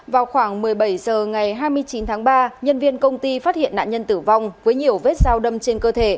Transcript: vào khoảng một mươi bảy h ngày hai mươi chín tháng ba nhân viên công ty phát hiện nạn nhân tử vong với nhiều vết dao đâm trên cơ thể